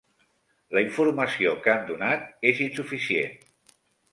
La informació que han donat és insuficient.